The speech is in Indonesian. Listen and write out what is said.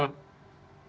ya mbak kalau sekarang